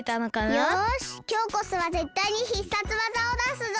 よしきょうこそはぜったいに必殺技をだすぞ！